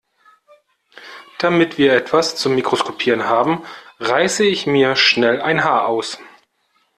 Damit wir etwas zum Mikroskopieren haben, reiße ich mir schnell ein Haar aus.